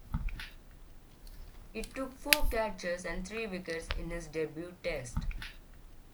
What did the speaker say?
He took four catches and three wickets in his debut Test.